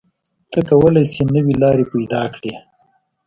ته کولی شې نوې لارې پیدا کړې.